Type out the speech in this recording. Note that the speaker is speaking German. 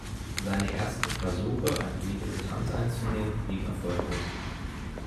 Seine ersten Versuche, ein politisches Amt einzunehmen, blieben erfolglos.